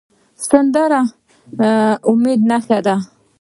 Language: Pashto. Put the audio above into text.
سندره د امید نښه ده